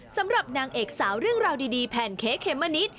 สำหรับนางเอกสาวเรื่องราวดีแพนเค้กเขมมะนิด